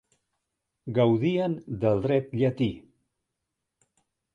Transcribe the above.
Gaudien de dret llatí.